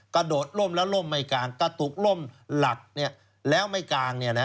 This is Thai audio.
กระโดดล่มแล้วล่มไม่กลางกระตุกล่มหลักแล้วไม่กลาง